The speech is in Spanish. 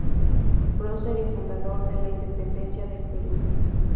Prócer y Fundador de la Independencia del Perú.